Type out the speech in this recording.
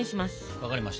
分かりました。